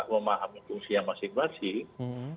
memahami fungsi yang masing masing